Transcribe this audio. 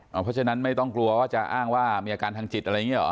เพราะฉะนั้นไม่ต้องกลัวว่าจะอ้างว่ามีอาการทางจิตอะไรอย่างนี้หรอ